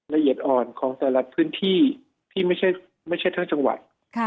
ละเอียดอ่อนของแต่ละพื้นที่ที่ไม่ใช่ทั้งจังหวัด